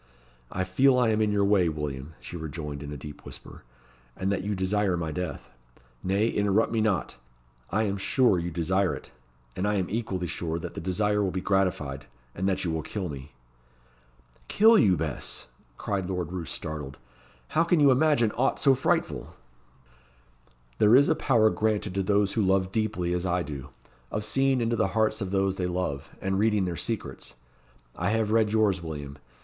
"I feel I am in your way, William," she rejoined, in a deep whisper; "and that you desire my death. Nay, interrupt me not; I am sure you desire it; and I am equally sure that the desire will be gratified, and that you will kill me." "Kill you, Bess!" cried Lord Roos, startled. "How can you imagine aught so frightful?" "There is a power granted to those who love deeply as I do, of seeing into the hearts of those they love, and reading their secrets. I have read yours, William.